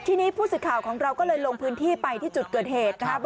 ทีนี้ผู้สื่อข่าวของเราก็เลยลงพื้นที่ไปที่จุดเกิดเหตุนะครับ